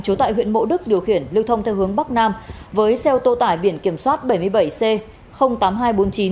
trú tại huyện mộ đức điều khiển lưu thông theo hướng bắc nam với xe ô tô tải biển kiểm soát bảy mươi bảy c tám nghìn hai trăm bốn mươi chín